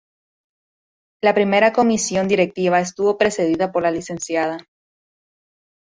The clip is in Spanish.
La primera Comisión Directiva estuvo presidida por la Lic.